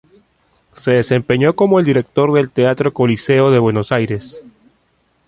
Se desempeñó como director del Teatro Coliseo de Buenos Aires.